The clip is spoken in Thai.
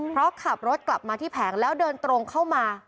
เพราะขับรถกลับมาที่แผงแล้วเดินตรงเข้ามา